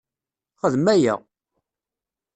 Xdem aya!